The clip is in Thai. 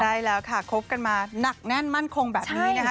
ใช่แล้วค่ะคบกันมาหนักแน่นมั่นคงแบบนี้นะคะ